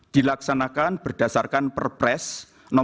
dilaksanakan berdasarkan perpres no satu ratus dua puluh lima